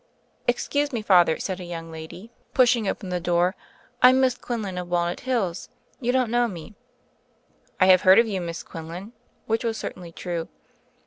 "Excuse me. Father," said a young lady*. 98 THE FAIRY OF THE SNOWS pushing open the door. "I'm Miss Quinlan of Walnut Hills. You don't know me." "I have heard of you, Miss Quinlan," which was certainly true.